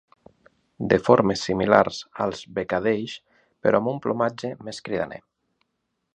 De formes similars als becadells, però amb un plomatge més cridaner.